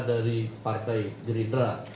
dari partai gerindra